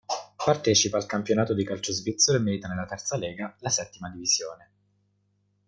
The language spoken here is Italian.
Partecipa al campionato di calcio svizzero e milita nella Terza Lega, la settima divisione.